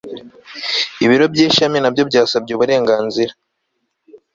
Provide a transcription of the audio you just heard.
ibiro by ishami na byo byasabye uburenganzira